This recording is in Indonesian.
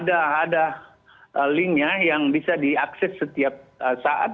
ada linknya yang bisa diakses setiap saat